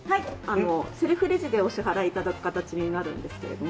セルフレジでお支払い頂く形になるんですけれども。